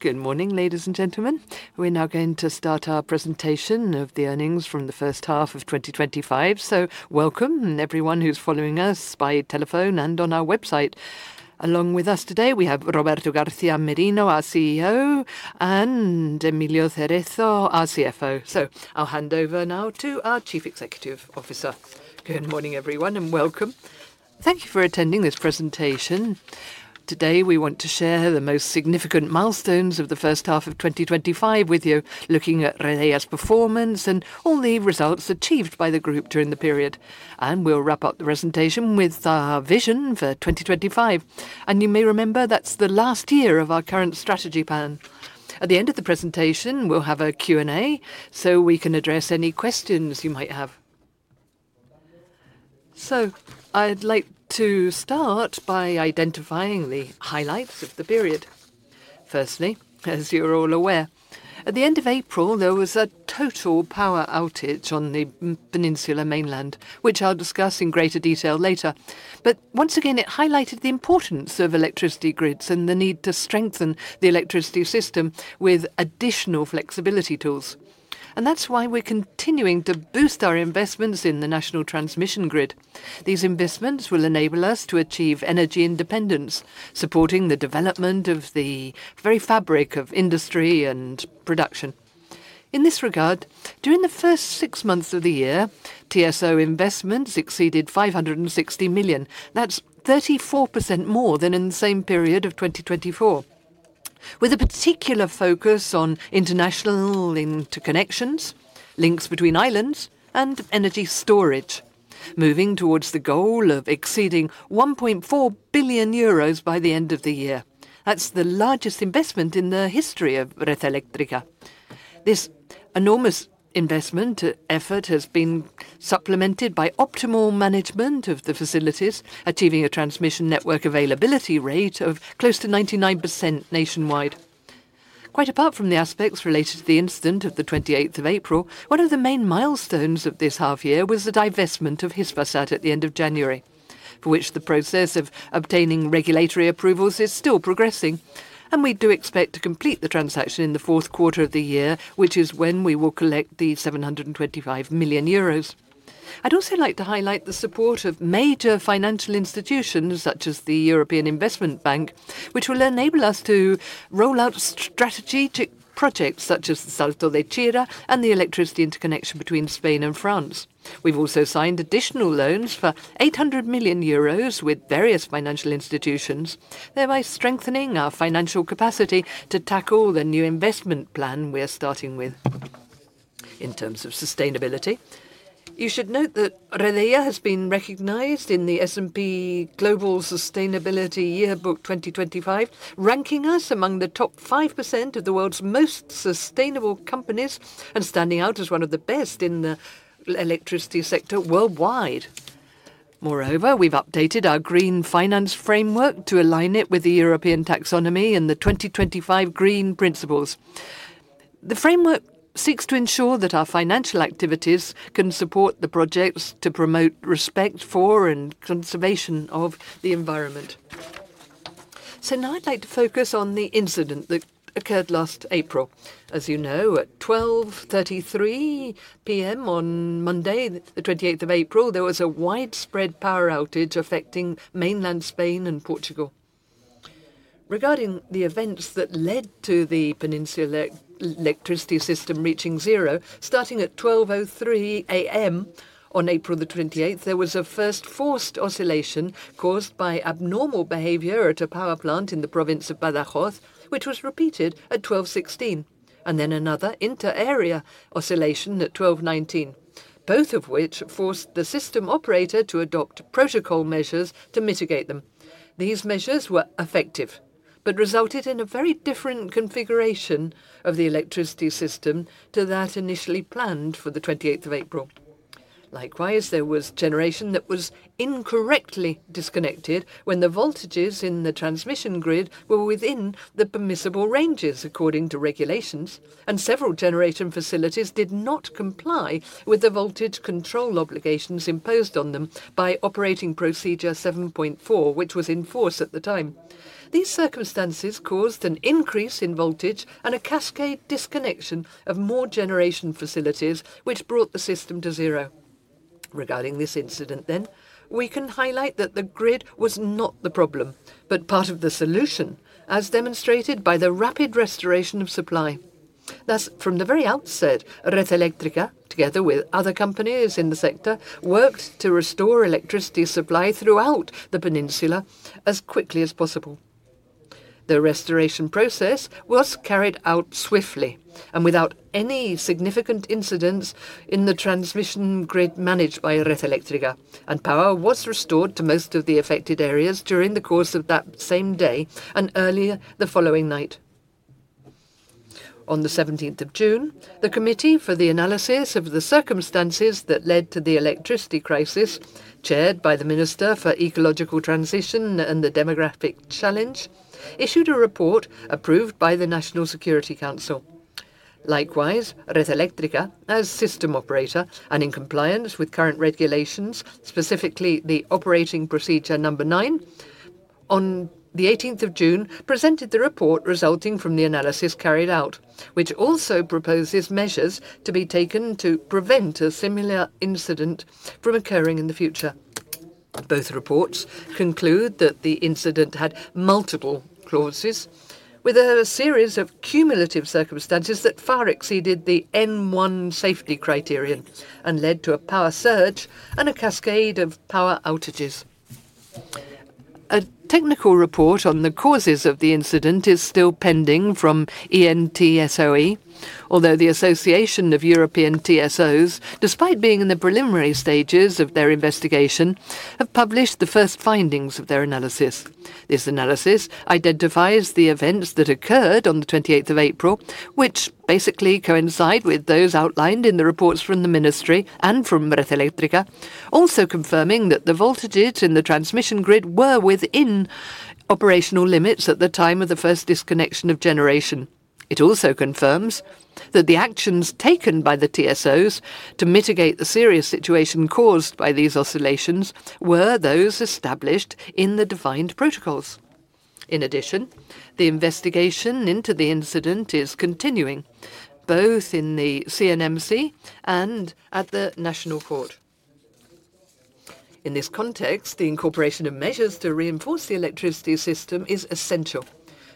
Good morning, ladies and gentlemen. We're now going to start our presentation of the earnings from the first half of 2025. Welcome everyone who's following us by telephone and on our website. Along with us today, we have Roberto García Merino, our CEO, and Emilio Cerezo, our CFO. I'll hand over now to our Chief Executive Officer. Good morning, everyone, and welcome. Thank you for attending this presentation. Today, we want to share the most significant milestones of the first half of 2025 with you, looking at Redeia's performance and all the results achieved by the group during the period. We'll wrap up the presentation with our vision for 2025. You may remember that's the last year of our current strategy plan. At the end of the presentation, we'll have a Q&A so we can address any questions you might have. I'd like to start by identifying the highlights of the period. Firstly, as you're all aware, at the end of April, there was a total power outage on the Peninsula mainland, which I'll discuss in greater detail later. Once again, it highlighted the importance of electricity grids and the need to strengthen the electricity system with additional flexibility tools. That's why we're continuing to boost our investments in the national transmission grid. These investments will enable us to achieve energy independence, supporting the development of the very fabric of industry and production. In this regard, during the first six months of the year, TSO investments exceeded 560 million. That's 34% more than in the same period of 2024, with a particular focus on international interconnections, links between islands, and energy storage, moving towards the goal of exceeding 1.4 billion euros by the end of the year. That's the largest investment in the history of Red Eléctrica. This enormous investment effort has been supplemented by optimal management of the facilities, achieving a transmission network availability rate of close to 99% nationwide. Quite apart from the aspects related to the incident of April 28th, one of the main milestones of this half year was the divestment of Hispasat at the end of January, for which the process of obtaining regulatory approvals is still progressing. We do expect to complete the transaction in the fourth quarter of the year, which is when we will collect the 725 million euros. I'd also like to highlight the support of major financial institutions such as the European Investment Bank, which will enable us to roll out strategic projects such as the Salto de Chira and the electricity interconnection between Spain and France. We've also signed additional loans for 800 million euros with various financial institutions, thereby strengthening our financial capacity to tackle the new investment plan we're starting with. In terms of sustainability, you should note that Redeia has been recognized in the S&P Global Sustainability Yearbook 2025, ranking us among the top 5% of the world's most sustainable companies and standing out as one of the best in the electricity sector worldwide. Moreover, we've updated our green finance framework to align it with the European Taxonomy and the 2025 Green Principles. The framework seeks to ensure that our financial activities can support the projects to promote respect for and conservation of the environment. Now I'd like to focus on the incident that occurred last April. As you know, at 12:33 P.M. on Monday, April 28th, there was a widespread power outage affecting mainland Spain and Portugal. Regarding the events that led to the Peninsula electricity system reaching zero, starting at 12:03 A.M. on April the 28th, there was a first forced oscillation caused by abnormal behavior at a power plant in the province of Badajoz, which was repeated at 12:16 A.M., and then another inter-area oscillation at 12:19 A.M., both of which forced the system operator to adopt protocol measures to mitigate them. These measures were effective but resulted in a very different configuration of the electricity system to that initially planned for April 28th. Likewise, there was generation that was incorrectly disconnected when the voltages in the transmission grid were within the permissible ranges according to regulations, and several generation facilities did not comply with the voltage control obligations imposed on them by Operating Procedure 7.4, which was in force at the time. These circumstances caused an increase in voltage and a cascade disconnection of more generation facilities, which brought the system to zero. Regarding this incident, then, we can highlight that the grid was not the problem, but part of the solution, as demonstrated by the rapid restoration of supply. Thus, from the very outset, Red Eléctrica, together with other companies in the sector, worked to restore electricity supply throughout the Peninsula as quickly as possible. The restoration process was carried out swiftly and without any significant incidents in the transmission grid managed by Red Eléctrica, and power was restored to most of the affected areas during the course of that same day and earlier the following night. On June 17th, the Committee for the Analysis of the Circumstances that Led to the Electricity Crisis, chaired by the Minister for Ecological Transition and the Demographic Challenge, issued a report approved by the National Security Council. Likewise, Red Eléctrica, as system operator and in compliance with current regulations, specifically the Operating Procedure 9. On June 18th, presented the report resulting from the analysis carried out, which also proposes measures to be taken to prevent a similar incident from occurring in the future. Both reports conclude that the incident had multiple causes, with a series of cumulative circumstances that far exceeded the N-1 safety criterion and led to a power surge and a cascade of power outages. A technical report on the causes of the incident is still pending from ENTSO-E, although the Association of European TSOs, despite being in the preliminary stages of their investigation, have published the first findings of their analysis. This analysis identifies the events that occurred on April 28th, which basically coincide with those outlined in the reports from the Ministry and from Red Eléctrica, also confirming that the voltages in the transmission grid were within operational limits at the time of the first disconnection of generation. It also confirms that the actions taken by the TSOs to mitigate the serious situation caused by these oscillations were those established in the defined protocols. In addition, the investigation into the incident is continuing, both in the CNMC and at the National Court. In this context, the incorporation of measures to reinforce the electricity system is essential.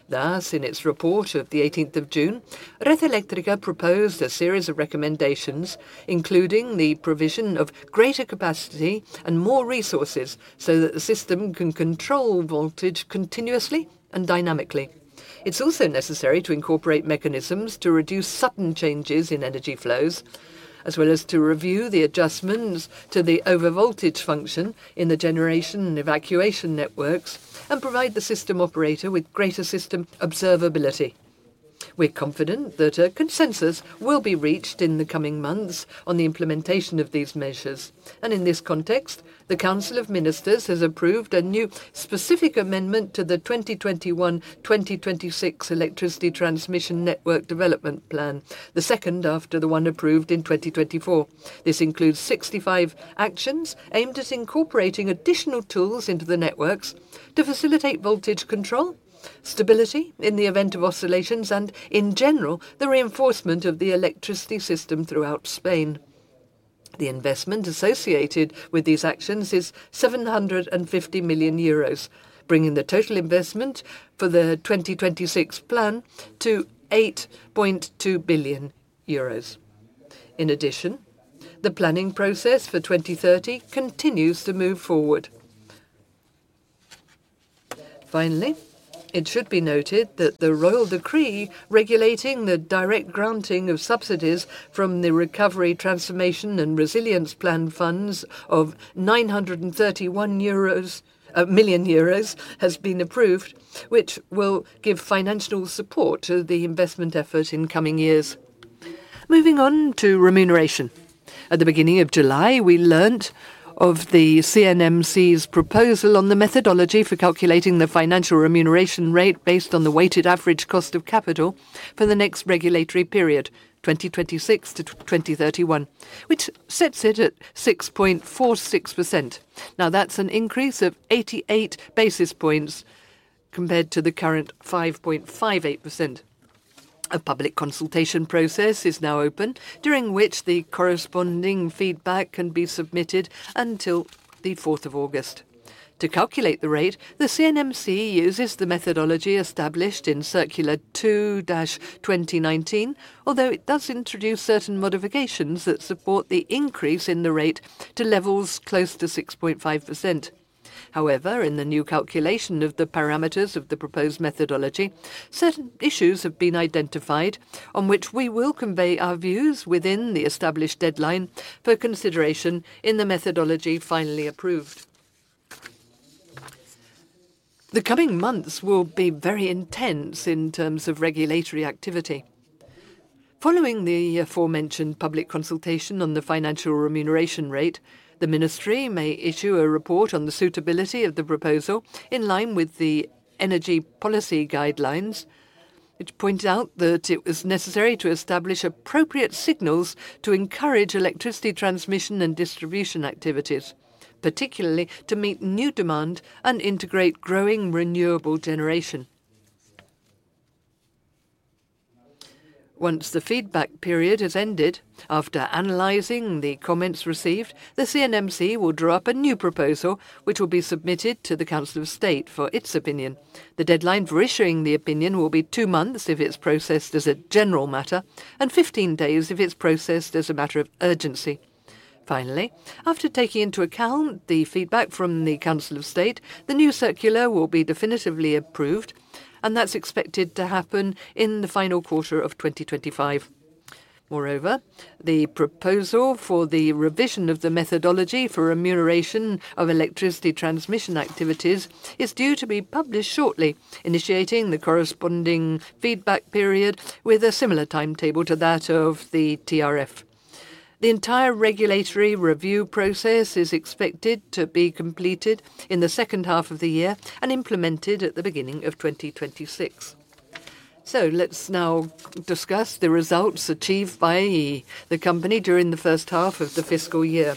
Thus, in its report of June 18th, Red Eléctrica proposed a series of recommendations, including the provision of greater capacity and more resources so that the system can control voltage continuously and dynamically. It's also necessary to incorporate mechanisms to reduce sudden changes in energy flows, as well as to review the adjustments to the overvoltage function in the generation and evacuation networks, and provide the system operator with greater system observability. We're confident that a consensus will be reached in the coming months on the implementation of these measures. In this context, the Council of Ministers has approved a new specific amendment to the 2021-2026 Electricity Transmission Network Development Plan, the second after the one approved in 2024. This includes 65 actions aimed at incorporating additional tools into the networks to facilitate voltage control, stability in the event of oscillations, and, in general, the reinforcement of the electricity system throughout Spain. The investment associated with these actions is 750 million euros, bringing the total investment for the 2026 plan to 8.2 billion euros. In addition, the planning process for 2030 continues to move forward. Finally, it should be noted that the Royal Decree regulating the direct granting of subsidies from the Recovery, Transformation, and Resilience Plan funds of 931 million euros has been approved, which will give financial support to the investment effort in coming years. Moving on to remuneration. At the beginning of July, we learned of the CNMC's proposal on the methodology for calculating the financial remuneration rate based on the weighted average cost of capital for the next regulatory period, 2026-2031, which sets it at 6.46%. Now, that's an increase of 88 basis points compared to the current 5.58%. A public consultation process is now open, during which the corresponding feedback can be submitted until August 4th. To calculate the rate, the CNMC uses the methodology established in Circular 2-2019, although it does introduce certain modifications that support the increase in the rate to levels close to 6.5%. However, in the new calculation of the parameters of the proposed methodology, certain issues have been identified on which we will convey our views within the established deadline for consideration in the methodology finally approved. The coming months will be very intense in terms of regulatory activity. Following the aforementioned public consultation on the financial remuneration rate, the Ministry may issue a report on the suitability of the proposal in line with the energy policy guidelines, which point out that it was necessary to establish appropriate signals to encourage electricity transmission and distribution activities, particularly to meet new demand and integrate growing renewable generation. Once the feedback period has ended, after analyzing the comments received, the CNMC will draw up a new proposal, which will be submitted to the Council of State for its opinion. The deadline for issuing the opinion will be two months if it's processed as a general matter and 15 days if it's processed as a matter of urgency. Finally, after taking into account the feedback from the Council of State, the new circular will be definitively approved, and that's expected to happen in the final quarter of 2025. Moreover, the proposal for the revision of the methodology for remuneration of electricity transmission activities is due to be published shortly, initiating the corresponding feedback period with a similar timetable to that of the TRF. The entire regulatory review process is expected to be completed in the second half of the year and implemented at the beginning of 2026. Let's now discuss the results achieved by the company during the first half of the fiscal year.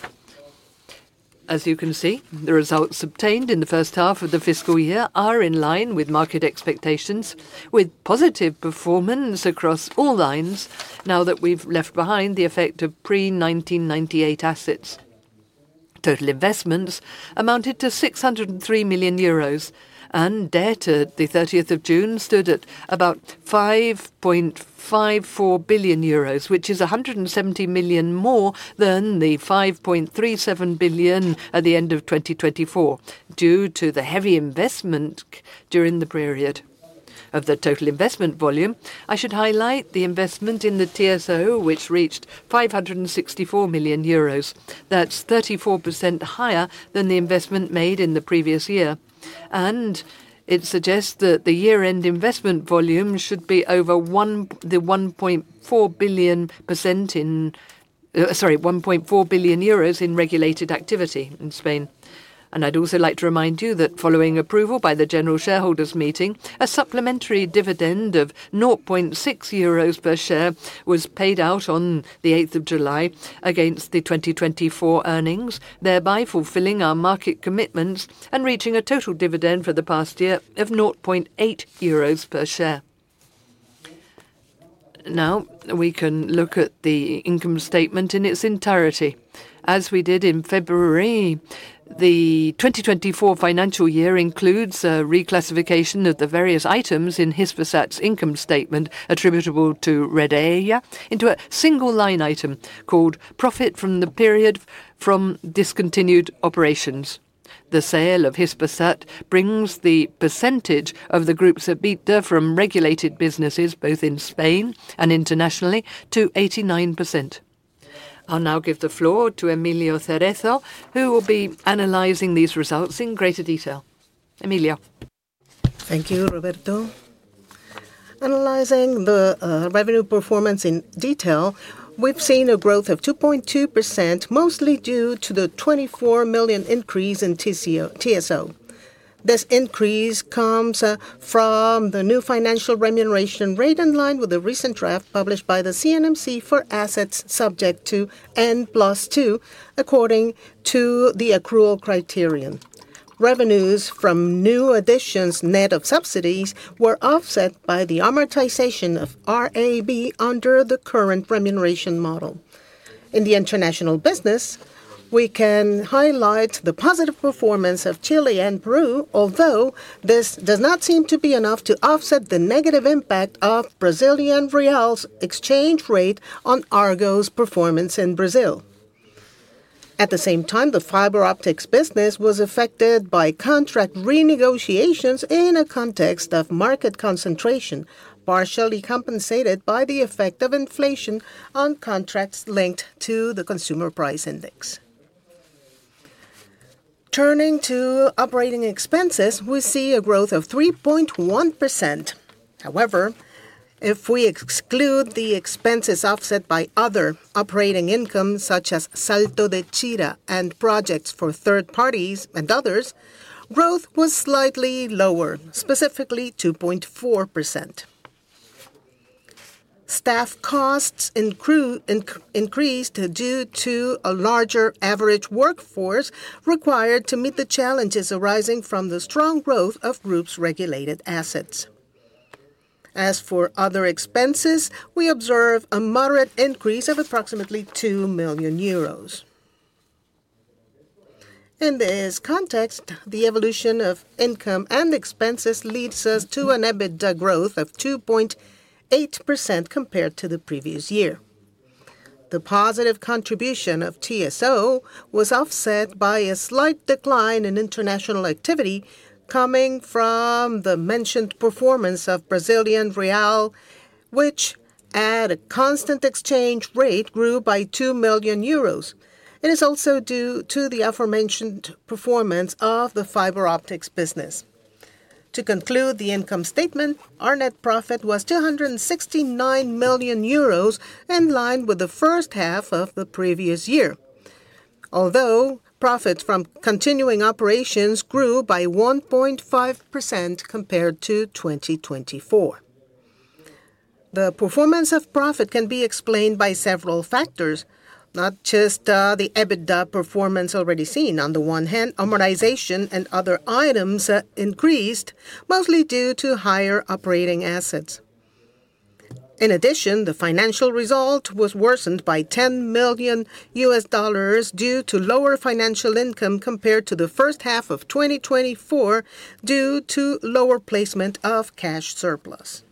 As you can see, the results obtained in the first half of the fiscal year are in line with market expectations, with positive performance across all lines now that we've left behind the effect of pre-1998 assets. Total investments amounted to 603 million euros, and debt at June 30th stood at about 5.54 billion euros, which is 170 million more than the 5.37 billion at the end of 2024, due to the heavy investment during the period. Of the total investment volume, I should highlight the investment in the TSO, which reached 564 million euros. That's 34% higher than the investment made in the previous year. It suggests that the year-end investment volume should be over 1.4 billion in regulated activity in Spain. I'd also like to remind you that following approval by the General Shareholders Meeting, a supplementary dividend of 0.6 euros per share was paid out on the 8th of July against the 2024 earnings, thereby fulfilling our market commitments and reaching a total dividend for the past year of 0.8 euros per share. Now, we can look at the income statement in its entirety. As we did in February, the 2024 financial year includes a reclassification of the various items in Hispasat's income statement attributable to Redeia into a single line item called Profit from the Period from Discontinued Operations. The sale of Hispasat brings the percentage of the group's EBITDA from regulated businesses, both in Spain and internationally, to 89%. I'll now give the floor to Emilio Cerezo, who will be analyzing these results in greater detail. Emilio. Thank you, Roberto. Analyzing the revenue performance in detail, we've seen a growth of 2.2%, mostly due to the 24 million increase in TSO. This increase comes from the new financial remuneration rate in line with the recent draft published by the CNMC for assets subject to N+2, according to the accrual criterion. Revenues from new additions net of subsidies were offset by the amortization of RAB under the current remuneration model. In the international business, we can highlight the positive performance of Chile and Peru, although this does not seem to be enough to offset the negative impact of the Brazilian real's exchange rate on Argo's performance in Brazil. At the same time, the fiber optics business was affected by contract renegotiations in a context of market concentration, partially compensated by the effect of inflation on contracts linked to the Consumer Price Index. Turning to operating expenses, we see a growth of 3.1%. However, if we exclude the expenses offset by other operating income, such as Salto de Chira and projects for third parties and others, growth was slightly lower, specifically 2.4%. Staff costs increased due to a larger average workforce required to meet the challenges arising from the strong growth of the group's regulated assets. As for other expenses, we observe a moderate increase of approximately 2 million euros. In this context, the evolution of income and expenses leads us to an EBITDA growth of 2.8% compared to the previous year. The positive contribution of TSO was offset by a slight decline in international activity coming from the mentioned performance of the Brazilian real, which at a constant exchange rate grew by 2 million euros. It is also due to the aforementioned performance of the fiber optics business. To conclude the income statement, our net profit was 269 million euros in line with the first half of the previous year, although profits from continuing operations grew by 1.5% compared to 2024. The performance of profit can be explained by several factors, not just the EBITDA performance already seen. On the one hand, amortization and other items increased, mostly due to higher operating assets. In addition, the financial result was worsened by $10 million due to lower financial income compared to the first half of 2024 due to lower placement of cash surplus.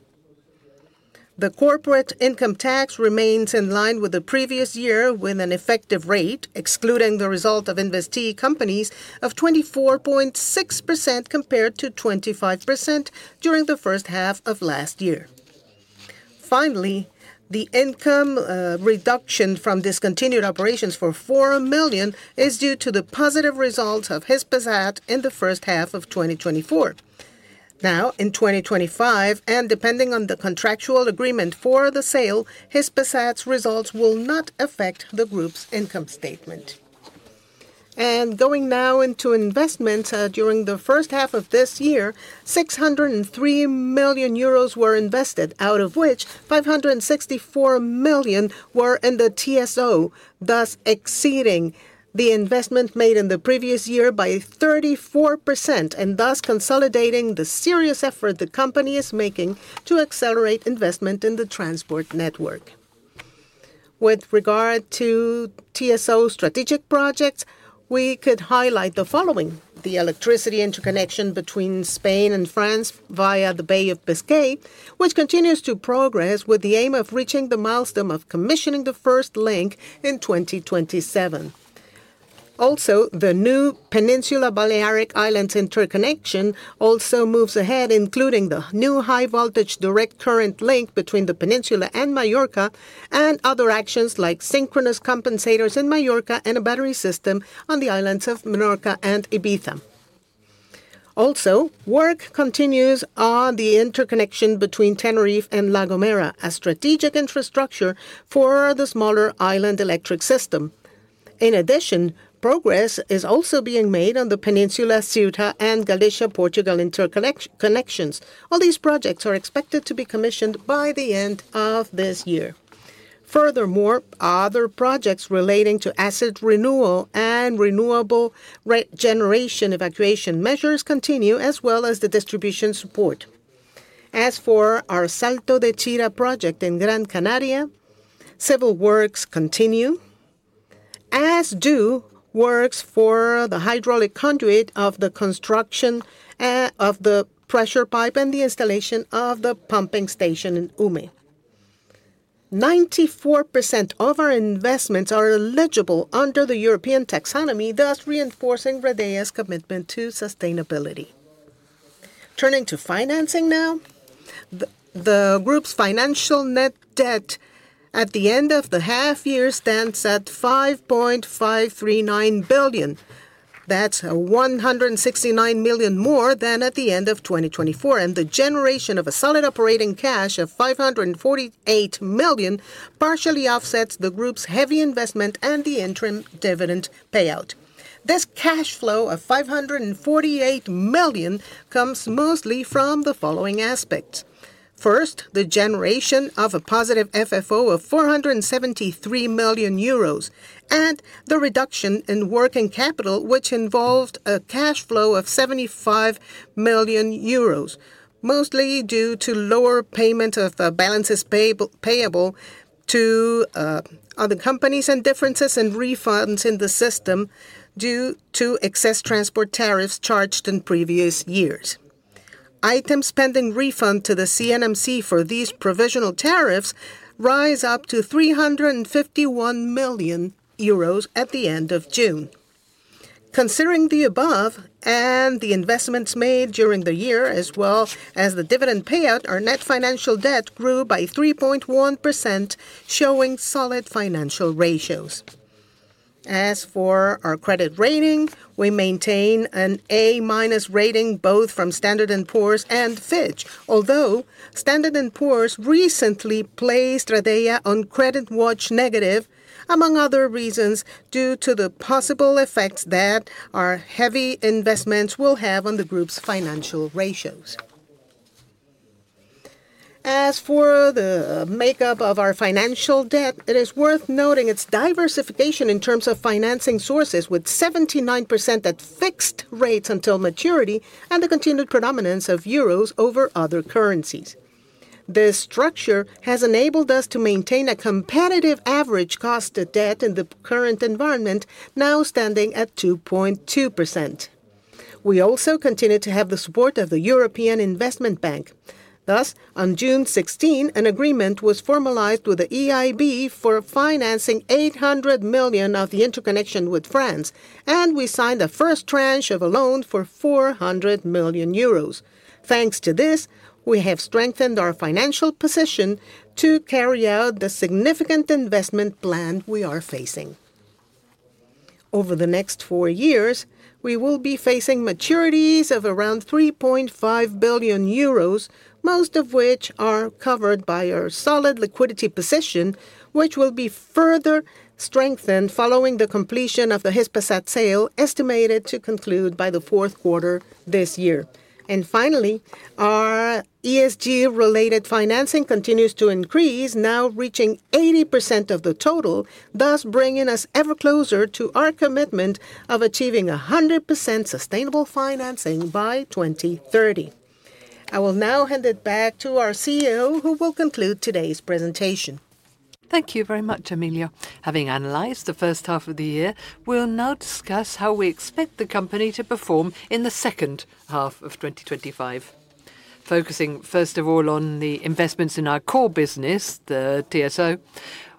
The corporate income tax remains in line with the previous year with an effective rate, excluding the result of investee companies, of 24.6% compared to 25% during the first half of last year. Finally, the income reduction from discontinued operations for 4 million is due to the positive results of Hispasat in the first half of 2024. Now, in 2025, and depending on the contractual agreement for the sale, Hispasat's results will not affect the group's income statement. Now going into investment, during the first half of this year, 603 million euros were invested, out of which 564 million were in the TSO, thus exceeding the investment made in the previous year by 34%, and thus consolidating the serious effort the company is making to accelerate investment in the transmission network. With regard to TSO strategic projects, we could highlight the following: the electricity interconnection between Spain and France via the Bay of Biscay, which continues to progress with the aim of reaching the milestone of commissioning the first link in 2027. Also, the new Peninsula-Balearic Islands interconnection also moves ahead, including the new high-voltage direct current link between the Peninsula and Mallorca, and other actions like synchronous compensators in Mallorca and a battery system on the islands of Menorca and Ibiza. Also, work continues on the interconnection between Tenerife and La Gomera, a strategic infrastructure for the smaller island electric system. In addition, progress is also being made on the Peninsula-Ceuta and Galicia-Portugal interconnections. All these projects are expected to be commissioned by the end of this year. Furthermore, other projects relating to asset renewal and renewable generation evacuation measures continue, as well as the distribution support. As for our Salto de Chira project in Gran Canaria, civil works continue. As do works for the hydraulic conduit of the construction of the pressure pipe and the installation of the pumping station in Ume. 94% of our investments are eligible under the European taxonomy, thus reinforcing Redeia's commitment to sustainability. Turning to financing now. The group's financial net debt at the end of the half year stands at 5.539 billion. That's 169 million more than at the end of 2024, and the generation of a solid operating cash of 548 million partially offsets the group's heavy investment and the interim dividend payout. This cash flow of 548 million comes mostly from the following aspects. First, the generation of a positive FFO of 473 million euros and the reduction in working capital, which involved a cash flow of 75 million euros, mostly due to lower payment of balances payable to other companies and differences in refunds in the system due to excess transport tariffs charged in previous years. Items pending refund to the CNMC for these provisional tariffs rise up to 351 million euros at the end of June. Considering the above and the investments made during the year, as well as the dividend payout, our net financial debt grew by 3.1%, showing solid financial ratios. As for our credit rating, we maintain an A- rating both from Standard & Poor's and Fitch, although Standard & Poor's recently placed Redeia on credit watch negative among other reasons due to the possible effects that our heavy investments will have on the group's financial ratios. As for the makeup of our financial debt, it is worth noting its diversification in terms of financing sources, with 79% at fixed rates until maturity and the continued predominance of euros over other currencies. This structure has enabled us to maintain a competitive average cost of debt in the current environment, now standing at 2.2%. We also continue to have the support of the European Investment Bank. Thus, on June 16, an agreement was formalized with the EIB for financing 800 million of the interconnection with France, and we signed the first tranche of a loan for 400 million euros. Thanks to this, we have strengthened our financial position to carry out the significant investment plan we are facing. Over the next four years, we will be facing maturities of around 3.5 billion euros, most of which are covered by our solid liquidity position, which will be further strengthened following the completion of the Hispasat sale, estimated to conclude by the fourth quarter this year. And finally, our ESG-related financing continues to increase, now reaching 80% of the total, thus bringing us ever closer to our commitment of achieving 100% sustainable financing by 2030. I will now hand it back to our CEO, who will conclude today's presentation. Thank you very much, Emilio. Having analyzed the first half of the year, we'll now discuss how we expect the company to perform in the second half of 2025. Focusing first of all on the investments in our core business, the TSO,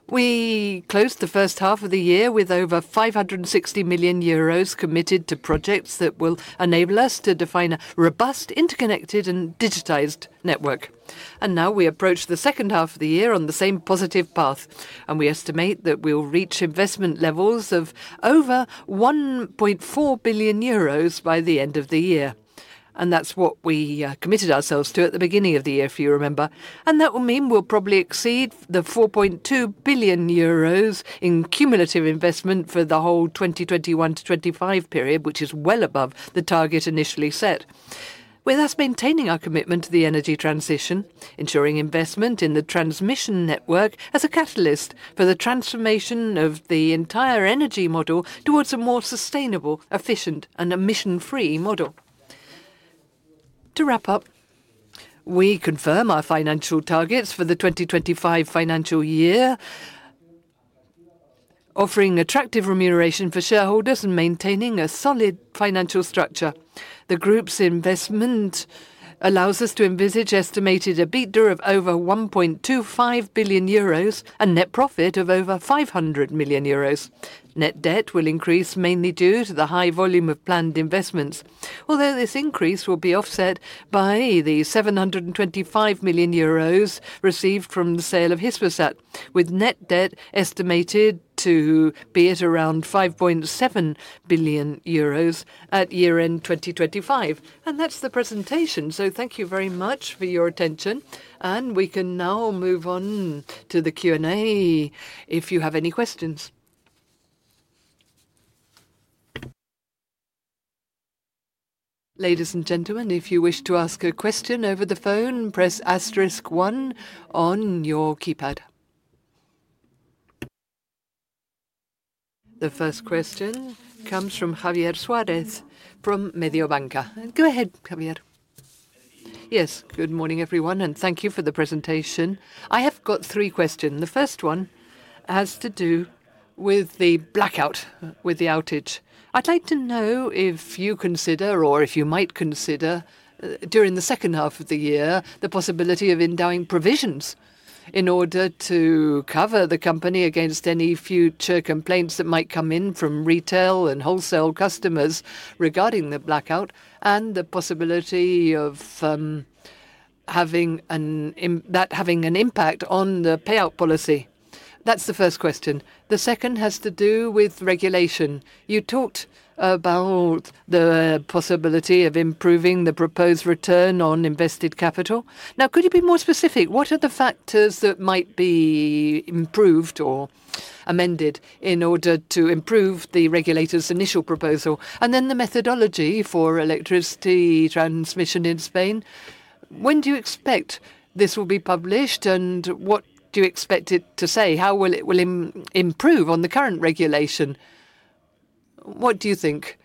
we closed the first half of the year with over 560 million euros committed to projects that will enable us to define a robust, interconnected, and digitized network. We approach the second half of the year on the same positive path, and we estimate that we'll reach investment levels of over 1.4 billion euros by the end of the year. That's what we committed ourselves to at the beginning of the year, if you remember. That will mean we'll probably exceed the 4.2 billion euros in cumulative investment for the whole 2021-2025 period, which is well above the target initially set. We're thus maintaining our commitment to the energy transition, ensuring investment in the transmission network as a catalyst for the transformation of the entire energy model towards a more sustainable, efficient, and emission-free model. To wrap up, we confirm our financial targets for the 2025 financial year, offering attractive remuneration for shareholders and maintaining a solid financial structure. The group's investment allows us to envisage estimated EBITDA of over 1.25 billion euros and net profit of over 500 million euros. Net debt will increase mainly due to the high volume of planned investments, although this increase will be offset by the 725 million euros received from the sale of Hispasat, with net debt estimated to be at around 5.7 billion euros at year-end 2025. That's the presentation. Thank you very much for your attention. We can now move on to the Q&A if you have any questions. Ladies and gentlemen, if you wish to ask a question over the phone, press asterisk 1 on your keypad. The first question comes from Javier Suárez from Mediobanca. Go ahead, Javier. Yes, good morning everyone, and thank you for the presentation. I have got three questions. The first one has to do with the blackout, with the outage. I'd like to know if you consider, or if you might consider, during the second half of the year, the possibility of endowing provisions in order to cover the company against any future complaints that might come in from retail and wholesale customers regarding the blackout, and the possibility of having an impact on the payout policy. That's the first question. The second has to do with regulation. You talked about the possibility of improving the proposed return on invested capital. Now, could you be more specific? What are the factors that might be improved or amended in order to improve the regulator's initial proposal? And then the methodology for electricity transmission in Spain, when do you expect this will be published and what do you expect it to say? How will it improve on the current regulation? What do you think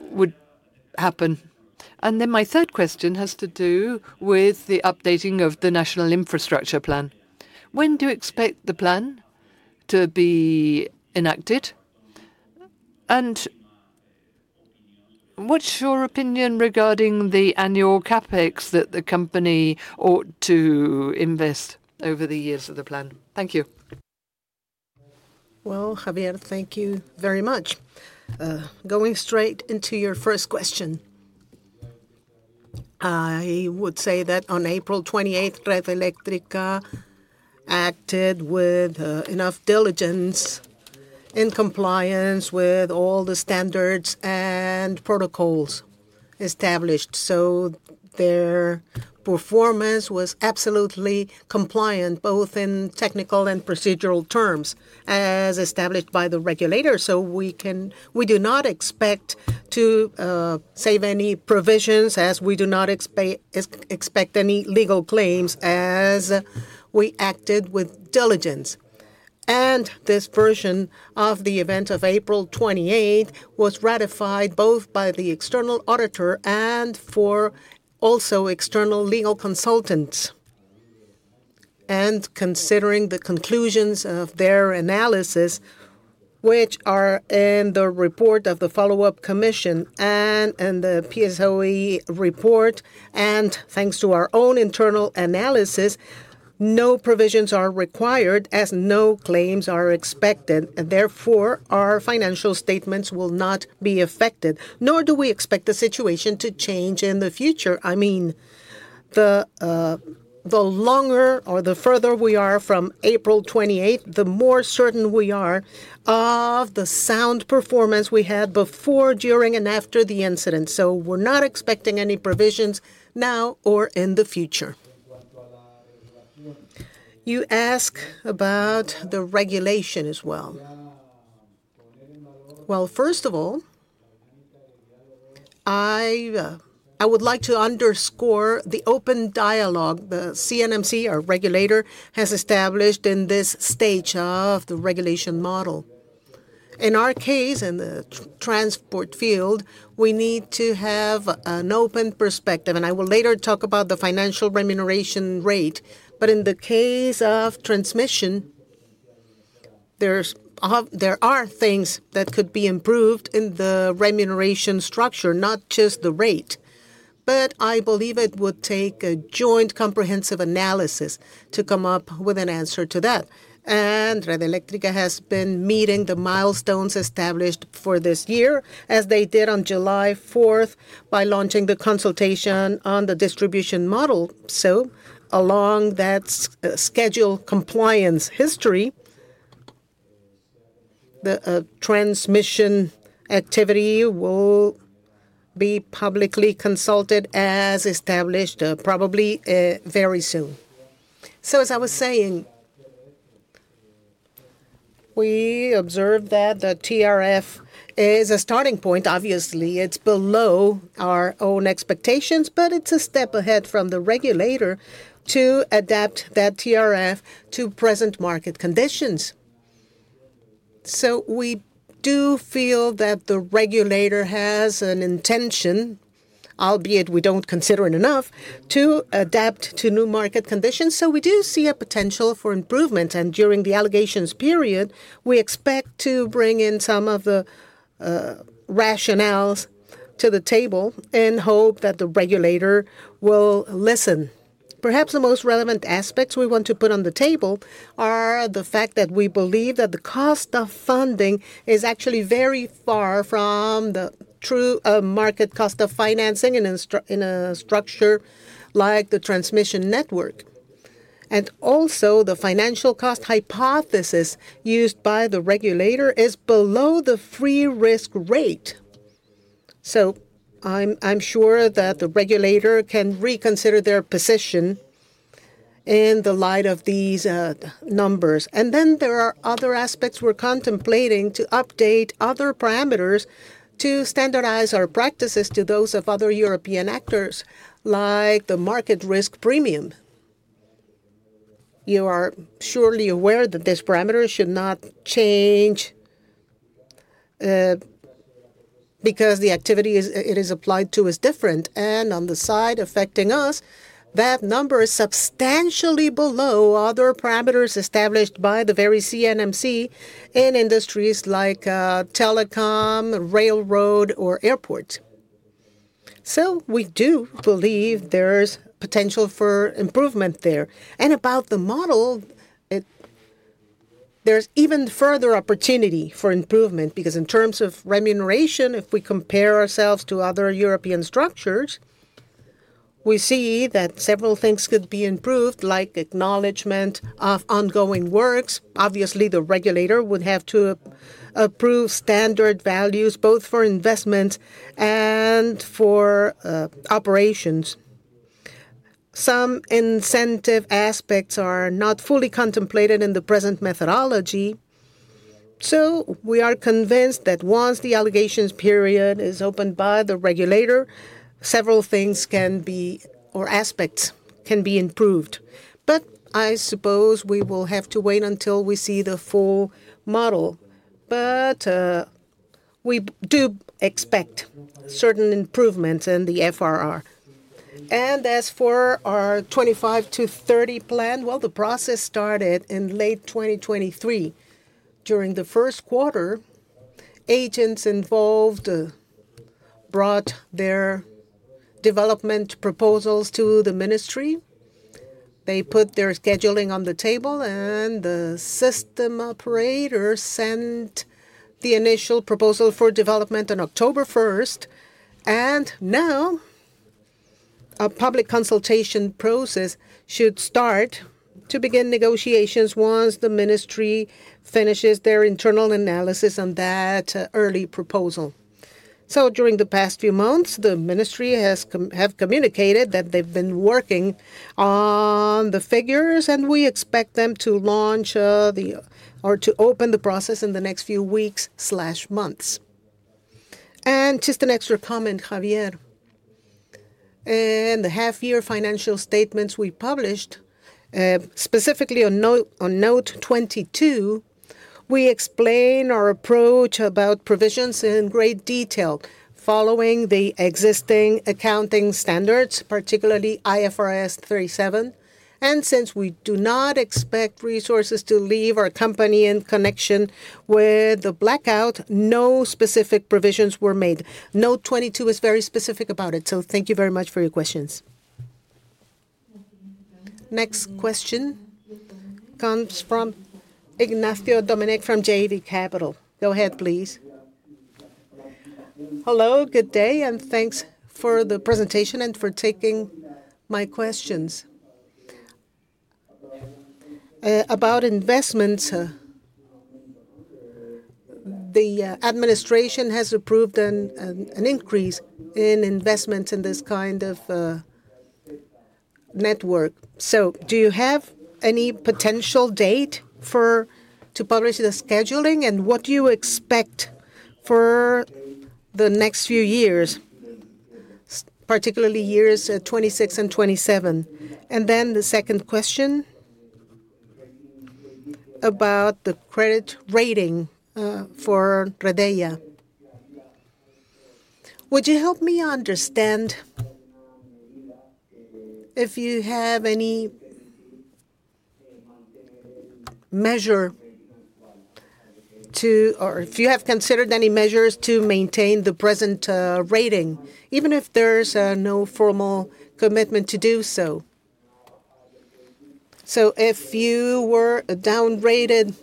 would happen? And then my third question has to do with the updating of the National Infrastructure Plan. When do you expect the plan to be enacted? And what's your opinion regarding the annual CapEx that the company ought to invest over the years of the plan? Thank you. Javier, thank you very much. Going straight into your first question. I would say that on April 28th, Red Eléctrica acted with enough diligence in compliance with all the standards and protocols established. Their performance was absolutely compliant, both in technical and procedural terms, as established by the regulator. We do not expect to save any provisions, as we do not expect any legal claims, as we acted with diligence. This version of the event of April 28th was ratified both by the external auditor and also external legal consultants. Considering the conclusions of their analysis, which are in the report of the Follow-up Commission and in the PSOE report, and thanks to our own internal analysis, no provisions are required, as no claims are expected. Therefore, our financial statements will not be affected, nor do we expect the situation to change in the future. I mean, the longer or the further we are from April 28th, the more certain we are of the sound performance we had before, during, and after the incident. We're not expecting any provisions now or in the future. You ask about the regulation as well. First of all, I would like to underscore the open dialogue the CNMC, our regulator, has established in this stage of the regulation model. In our case, in the transport field, we need to have an open perspective. I will later talk about the financial remuneration rate. In the case of transmission, there are things that could be improved in the remuneration structure, not just the rate. I believe it would take a joint comprehensive analysis to come up with an answer to that. Red Eléctrica has been meeting the milestones established for this year, as they did on July 4th, by launching the consultation on the distribution model. Along that schedule compliance history, the transmission activity will be publicly consulted, as established, probably very soon. As I was saying, we observe that the TRF is a starting point. Obviously, it is below our own expectations, but it is a step ahead from the regulator to adapt that TRF to present market conditions. We do feel that the regulator has an intention, albeit we do not consider it enough, to adapt to new market conditions. We do see a potential for improvement. During the allegations period, we expect to bring in some of the rationales to the table and hope that the regulator will listen. Perhaps the most relevant aspects we want to put on the table are the fact that we believe that the cost of funding is actually very far from the true market cost of financing in a structure like the transmission network. Also, the financial cost hypothesis used by the regulator is below the free risk rate. I am sure that the regulator can reconsider their position in the light of these numbers. There are other aspects we are contemplating to update, other parameters to standardize our practices to those of other European actors, like the market risk premium. You are surely aware that this parameter should not change because the activity it is applied to is different. On the side affecting us, that number is substantially below other parameters established by the very CNMC in industries like telecom, railroad, or airports. We do believe there is potential for improvement there. About the model, there is even further opportunity for improvement because in terms of remuneration, if we compare ourselves to other European structures, we see that several things could be improved, like acknowledgment of ongoing works. Obviously, the regulator would have to approve standard values both for investments and for operations. Some incentive aspects are not fully contemplated in the present methodology. We are convinced that once the allegations period is opened by the regulator, several things or aspects can be improved. I suppose we will have to wait until we see the full model. We do expect certain improvements in the FRR. As for our 2025 to 2030 plan, the process started in late 2023. During the first quarter, agents involved brought their development proposals to the ministry. They put their scheduling on the table, and the system operator sent the initial proposal for development on October 1st. A public consultation process should start to begin negotiations once the ministry finishes their internal analysis on that early proposal. During the past few months, the ministry has communicated that they've been working on the figures, and we expect them to launch or to open the process in the next few weeks or months. Just an extra comment, Javier. In the half-year financial statements we published, specifically on Note 22, we explain our approach about provisions in great detail following the existing accounting standards, particularly IFRS 37. Since we do not expect resources to leave our company in connection with the blackout, no specific provisions were made. Note 22 is very specific about it. Thank you very much for your questions. Next question comes from Ignacio Domenech from JB Capital. Go ahead, please. Hello, good day, and thanks for the presentation and for taking my questions. About investments, the administration has approved an increase in investments in this kind of network. Do you have any potential date to publish the scheduling, and what do you expect for the next few years, particularly years 2026 and 2027? The second question, about the credit rating for Redeia. Would you help me understand if you have any measure or if you have considered any measures to maintain the present rating, even if there's no formal commitment to do so? If you were downgraded,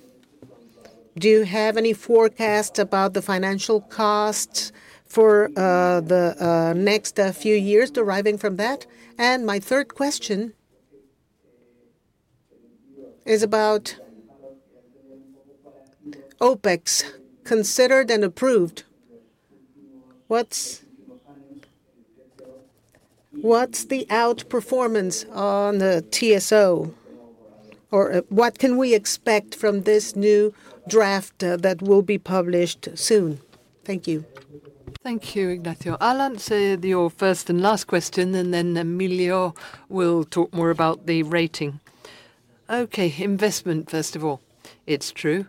do you have any forecast about the financial cost for the next few years deriving from that? My third question is about OPEX considered and approved. What's the outperformance on the TSO, or what can we expect from this new draft that will be published soon? Thank you. Thank you, Ignacio. I'll answer your first and last question, and then Emilio will talk more about the rating. Investment, first of all. It's true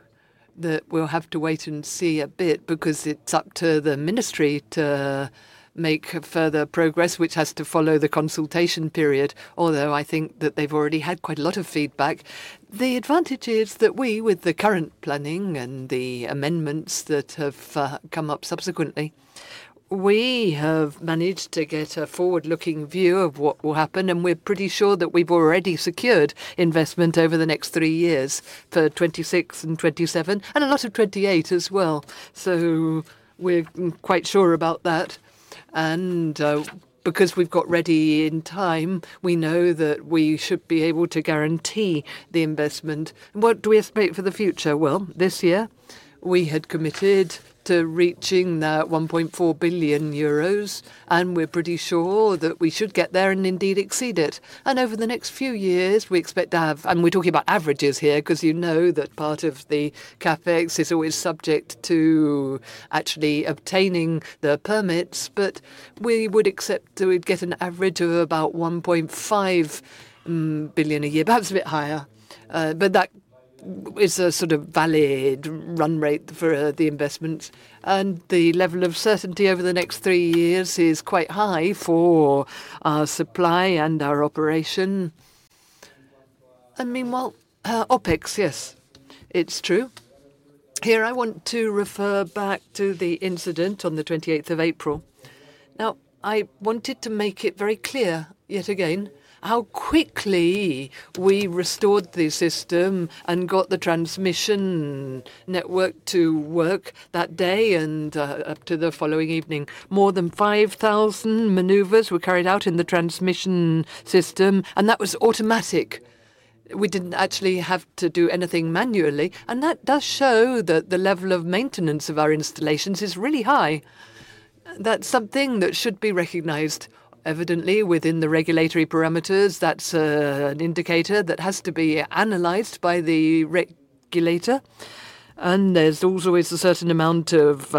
that we'll have to wait and see a bit because it's up to the ministry to make further progress, which has to follow the consultation period, although I think that they've already had quite a lot of feedback. The advantage is that we, with the current planning and the amendments that have come up subsequently, we have managed to get a forward-looking view of what will happen, and we're pretty sure that we've already secured investment over the next three years for 2026 and 2027, and a lot of 2028 as well. We are quite sure about that. Because we've got ready in time, we know that we should be able to guarantee the investment. What do we expect for the future? This year, we had committed to reaching 1.4 billion euros, and we're pretty sure that we should get there and indeed exceed it. Over the next few years, we expect to have, and we're talking about averages here because you know that part of the CapEx is always subject to actually obtaining the permits, but we would expect to get an average of about 1.5 billion a year, perhaps a bit higher. That is a sort of valid run rate for the investments. The level of certainty over the next three years is quite high for our supply and our operation. I mean, OPEX, yes, it's true. Here, I want to refer back to the incident on April 28th. I wanted to make it very clear yet again how quickly we restored the system and got the transmission network to work that day and up to the following evening. More than 5,000 maneuvers were carried out in the transmission system, and that was automatic. We didn't actually have to do anything manually. That does show that the level of maintenance of our installations is really high. That's something that should be recognized evidently within the regulatory parameters. That's an indicator that has to be analyzed by the regulator. There's always a certain amount of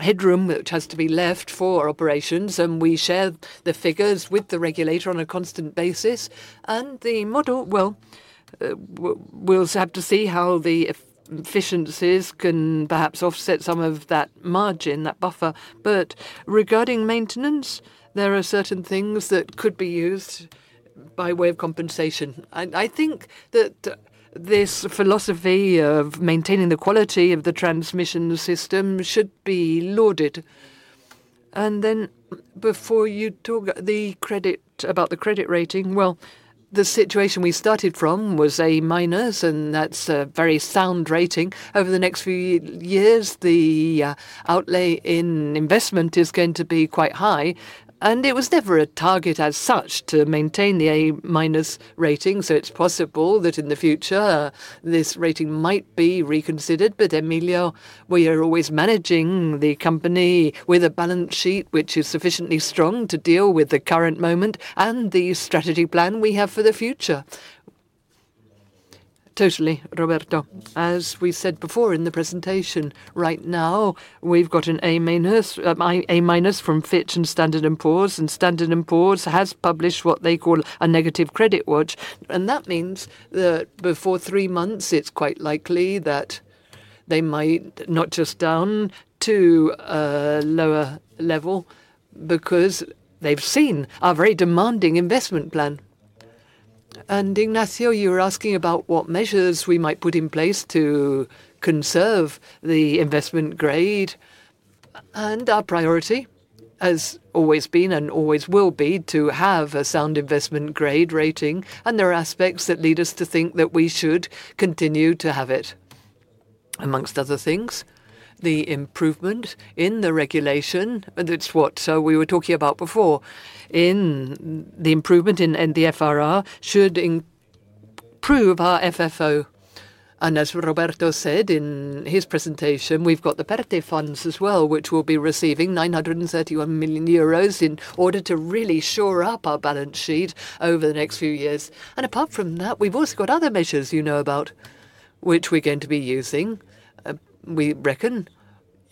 headroom that has to be left for operations. We share the figures with the regulator on a constant basis. The model, we'll have to see how the efficiencies can perhaps offset some of that margin, that buffer. Regarding maintenance, there are certain things that could be used by way of compensation. I think that this philosophy of maintaining the quality of the transmission system should be lauded. Before you talk about the credit rating, the situation we started from was A-, and that's a very sound rating. Over the next few years, the outlay in investment is going to be quite high. It was never a target as such to maintain the A- rating. It is possible that in the future this rating might be reconsidered. Emilio, we are always managing the company with a balance sheet which is sufficiently strong to deal with the current moment and the strategy plan we have for the future. Totally, Roberto. As we said before in the presentation, right now, we have an A- from Fitch and Standard & Poor's. Standard & Poor's has published what they call a negative credit watch. That means that before three months, it is quite likely that they might notch us down to a lower level because they have seen our very demanding investment plan. Ignacio, you were asking about what measures we might put in place to conserve the investment grade. Our priority, as always has been and always will be, is to have a sound investment grade rating. There are aspects that lead us to think that we should continue to have it. Amongst other things, the improvement in the regulation, and it is what we were talking about before, in the improvement in the FRR should improve our FFO. As Roberto said in his presentation, we have the PERTEs funds as well, which we will be receiving 931 million euros in order to really shore up our balance sheet over the next few years. Apart from that, we have also got other measures you know about, which we are going to be using. We reckon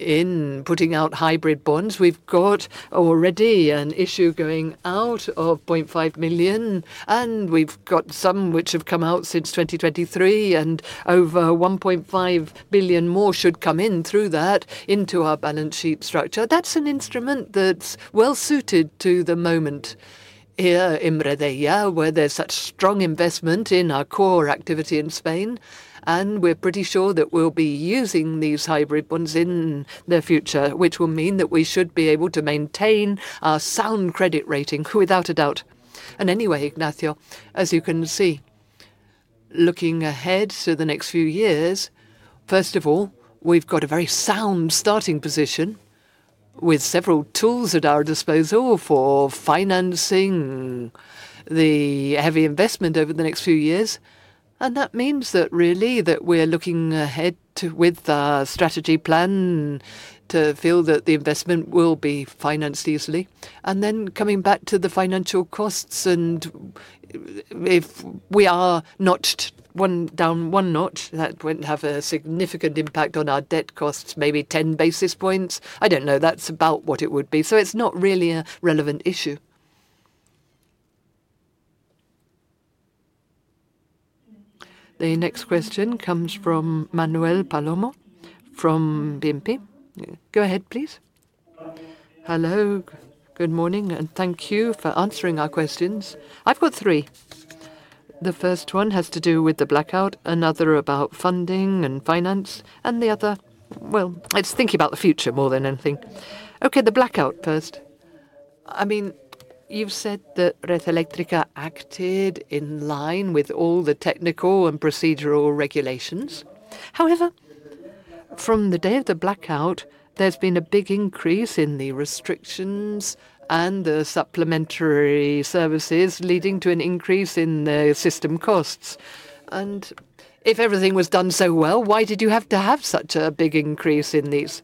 in putting out hybrid bonds. We have already an issue going out of 500,000, and we have some which have come out since 2023, and over 1.5 billion more should come in through that into our balance sheet structure. That is an instrument that is well suited to the moment here in Redeia, where there is such strong investment in our core activity in Spain. We are pretty sure that we will be using these hybrid bonds in the future, which will mean that we should be able to maintain our sound credit rating without a doubt. Anyway, Ignacio, as you can see, looking ahead to the next few years, first of all, we have a very sound starting position with several tools at our disposal for financing the heavy investment over the next few years. That means that really we are looking ahead with our strategy plan to feel that the investment will be financed easily. Then coming back to the financial costs, and if we are not. One down, one not, that would not have a significant impact on our debt costs, maybe 10 basis points. I do not know, that is about what it would be. It is not really a relevant issue. The next question comes from Manuel Palomo from BNP. Go ahead, please. Hello, good morning, and thank you for answering our questions. I have got three. The first one has to do with the blackout, another about funding and finance, and the other, it is thinking about the future more than anything. Okay, the blackout first. I mean, you have said that Red Eléctrica acted in line with all the technical and procedural regulations. However, from the day of the blackout, there has been a big increase in the restrictions and the supplementary services, leading to an increase in the system costs. If everything was done so well, why did you have to have such a big increase in these?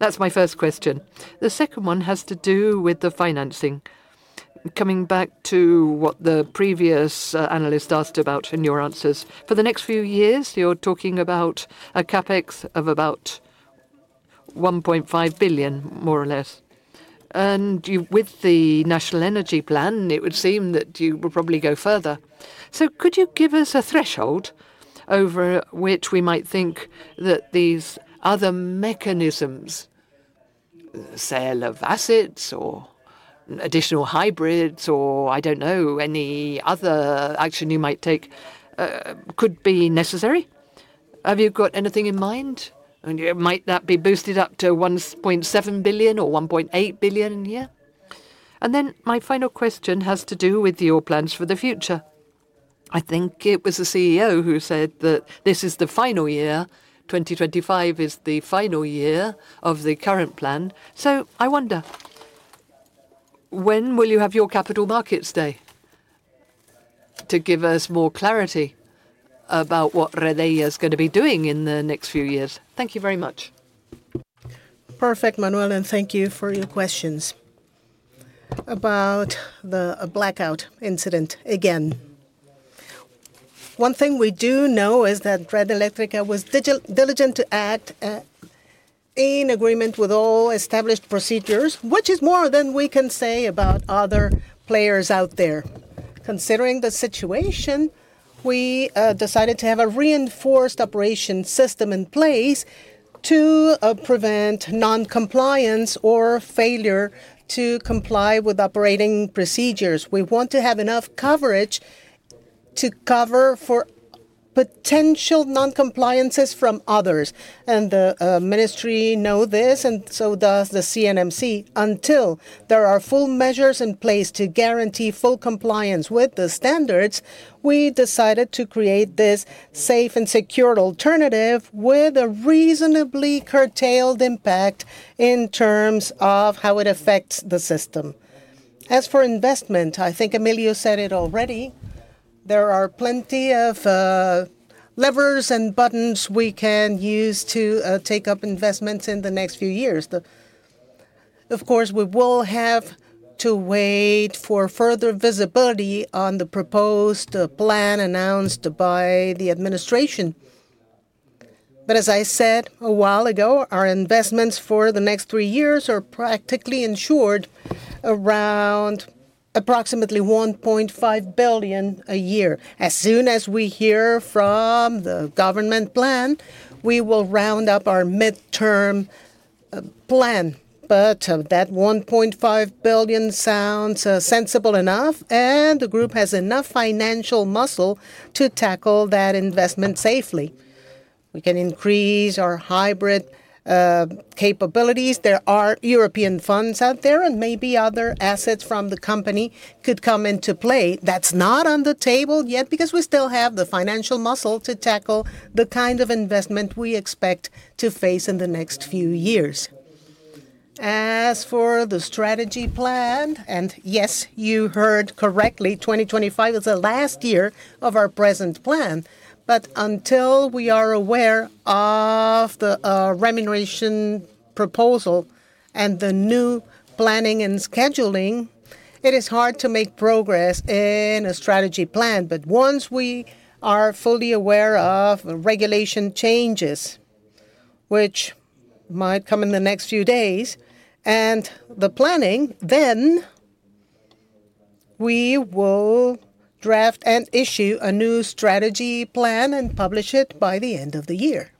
That is my first question. The second one has to do with the financing. Coming back to what the previous analyst asked about in your answers. For the next few years, you are talking about a CapEx of about 1.5 billion, more or less. With the national energy plan, it would seem that you will probably go further. Could you give us a threshold over which we might think that these other mechanisms, sale of assets or additional hybrids or, I do not know, any other action you might take, could be necessary? Have you got anything in mind? Might that be boosted up to 1.7 billion or 1.8 billion a year? My final question has to do with your plans for the future. I think it was the CEO who said that this is the final year. 2025 is the final year of the current plan. I wonder when you will have your Capital Markets Day to give us more clarity about what Redeia is going to be doing in the next few years. Thank you very much. Perfect, Manuel, and thank you for your questions. About the blackout incident again. One thing we do know is that Red Eléctrica was diligent to act in agreement with all established procedures, which is more than we can say about other players out there. Considering the situation, we decided to have a reinforced operation system in place to prevent non-compliance or failure to comply with operating procedures. We want to have enough coverage to cover for potential non-compliances from others. The ministry knows this, and so does the CNMC. Until there are full measures in place to guarantee full compliance with the standards, we decided to create this safe and secure alternative with a reasonably curtailed impact in terms of how it affects the system. As for investment, I think Emilio said it already, there are plenty of levers and buttons we can use to take up investments in the next few years. Of course, we will have to wait for further visibility on the proposed plan announced by the administration. As I said a while ago, our investments for the next three years are practically insured. Approximately 1.5 billion a year. As soon as we hear from the government plan, we will round up our midterm plan. That 1.5 billion sounds sensible enough, and the group has enough financial muscle to tackle that investment safely. We can increase our hybrid capabilities. There are European funds out there, and maybe other assets from the company could come into play. That's not on the table yet because we still have the financial muscle to tackle the kind of investment we expect to face in the next few years. As for the strategy plan, and yes, you heard correctly, 2025 is the last year of our present plan. Until we are aware of the remuneration proposal and the new planning and scheduling, it is hard to make progress in a strategy plan. Once we are fully aware of regulation changes, which might come in the next few days, and the planning, we will draft and issue a new strategy plan and publish it by the end of the year.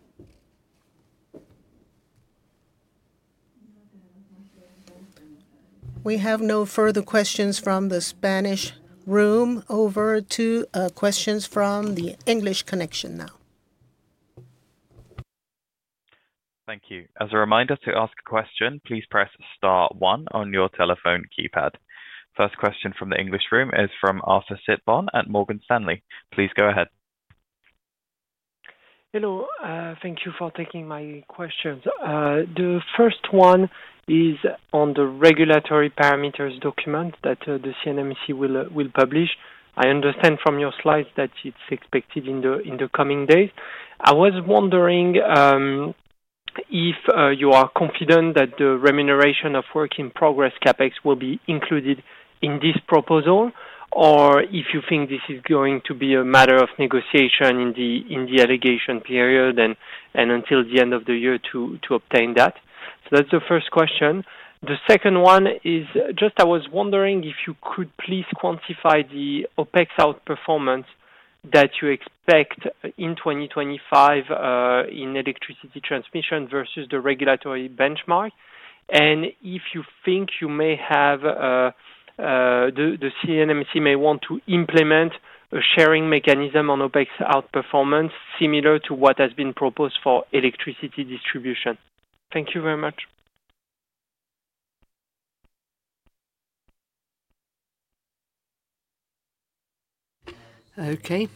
We have no further questions from the Spanish room. Over to questions from the English connection now. Thank you. As a reminder to ask a question, please press Star 1 on your telephone keypad. First question from the English room is from Arthur Sitbon at Morgan Stanley. Please go ahead. Hello, thank you for taking my questions. The first one is on the regulatory parameters document that the CNMC will publish. I understand from your slides that it's expected in the coming days. I was wondering if you are confident that the remuneration of work in progress CapEx will be included in this proposal, or if you think this is going to be a matter of negotiation in the allegation period and until the end of the year to obtain that. That's the first question. The second one is just I was wondering if you could please quantify the OPEX outperformance that you expect in 2025 in electricity transmission versus the regulatory benchmark. If you think you may have, the CNMC may want to implement a sharing mechanism on OPEX outperformance similar to what has been proposed for electricity distribution. Thank you very much. Okay.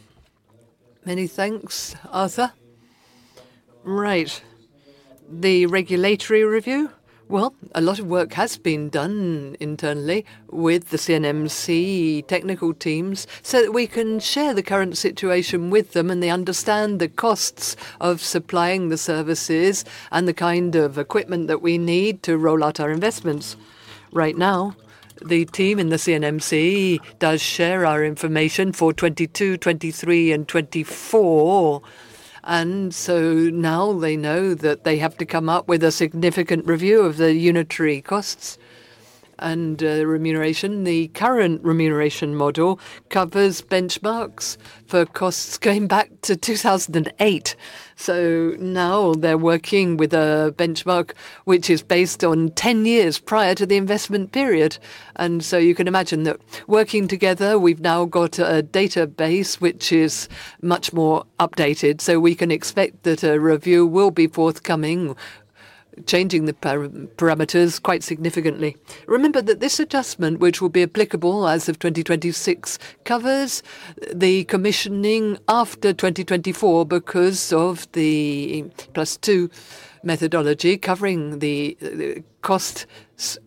Many thanks, Arthur. Right. The regulatory review, a lot of work has been done internally with the CNMC technical teams so that we can share the current situation with them and they understand the costs of supplying the services and the kind of equipment that we need to roll out our investments. Right now, the team in the CNMC does share our information for 2022, 2023, and 2024. Now they know that they have to come up with a significant review of the unitary costs and remuneration. The current remuneration model covers benchmarks for costs going back to 2008. Now they're working with a benchmark which is based on 10 years prior to the investment period. You can imagine that working together, we've now got a database which is much more updated. We can expect that a review will be forthcoming, changing the parameters quite significantly. Remember that this adjustment, which will be applicable as of 2026, covers the commissioning after 2024 because of the plus two methodology covering the costs